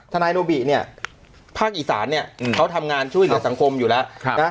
นายโนบิเนี่ยภาคอีสานเนี่ยเขาทำงานช่วยเหลือสังคมอยู่แล้วนะ